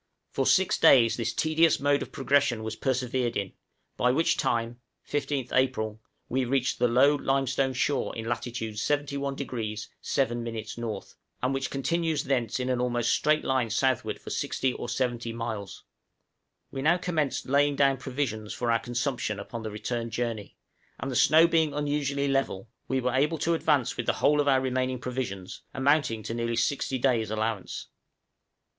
For six days this tedious mode of progression was persevered in, by which time (15th April) we reached the low limestone shore in latitude 71° 7' N., and which continues thence in almost a straight line southward for 60 or 70 miles. We now commenced laying down provisions for our consumption upon the return journey; and the snow being unusually level, we were able to advance with the whole of our remaining provisions, amounting to nearly sixty days' allowance.